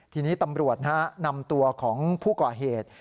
ทีนี้ตำรวจนำตัวของผู้ก่อเหตุ